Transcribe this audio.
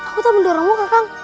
aku tak mendorongmu kakang